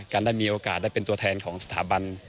ได้มีโอกาสได้เป็นตัวแทนของสถาบัน